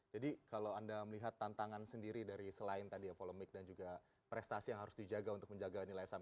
kalau anda melihat tantangan sendiri dari selain tadi ya polemik dan juga prestasi yang harus dijaga untuk menjaga nilai saham